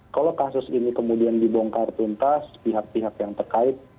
kalau kasus ini kemudian dibongkar tuntas pihak pihak yang terkait